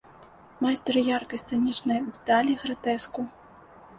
Майстар яркай сцэнічнай дэталі, гратэску.